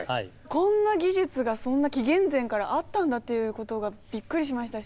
こんな技術がそんな紀元前からあったんだっていうことがびっくりしましたし